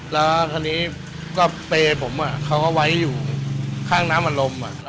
แล้วทีนี้ก็เปรย์ผมเขาก็ไว้อยู่ข้างน้ำอารมณ์